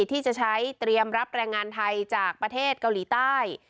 ที่จะใช้เตรียมรับแรงงานไทยจากประเทศเกาหลีใต้